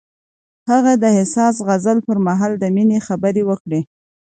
هغه د حساس غزل پر مهال د مینې خبرې وکړې.